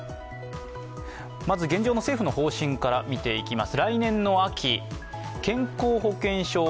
まず現状の政府の方針から見ていきます。